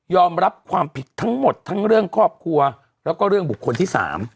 รับความผิดทั้งหมดทั้งเรื่องครอบครัวแล้วก็เรื่องบุคคลที่๓